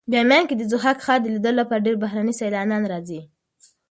بامیان کې د ضحاک ښار د لیدلو لپاره ډېر بهرني سېلانیان راځي.